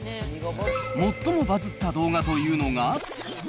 最もバズった動画というのが。